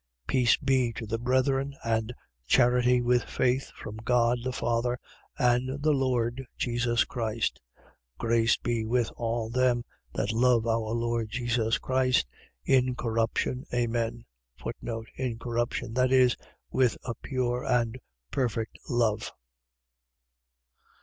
6:23. Peace be to the brethren and charity with faith, from God the Father and the Lord Jesus Christ. 6:24. Grace be with all them that love our Lord Jesus Christ in incorruption. Amen. In incorruption. . .That is, with a pure and perfect love.